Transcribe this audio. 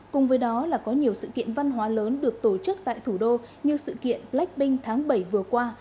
cùng với đó là có nhiều sự kiện văn hóa lớn được tổ chức tại thủ đô như sự kiện blackpink tháng bảy vừa qua